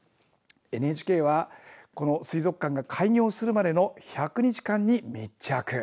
ＮＨＫはこの水族館が開業するまでの１００日間に密着。